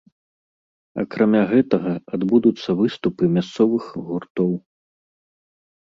Акрамя гэтага адбудуцца выступы мясцовых гуртоў.